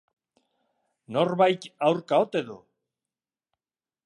Norbait aurka ote du?